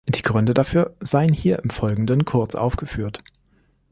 Die Gründe dafür seien hier im Folgenden kurz aufgeführt.